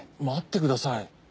待ってください。